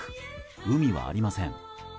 海はありません。